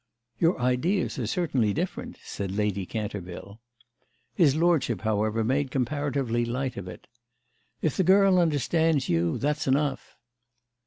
"Your ideas are certainly different," said Lady Canterville. His lordship, however, made comparatively light of it. "If the girl understands you that's enough!"